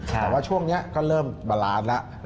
แต่ว่าช่วงนี้ก็เริ่มบาลานซ์แล้ว